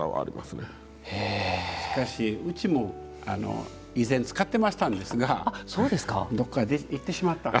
しかしうちも以前使ってましたんですがどっかいってしまった。